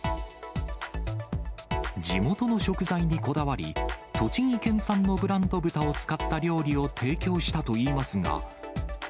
地元の食材にこだわり、栃木県産のブランド豚を使った料理を提供したといいますが。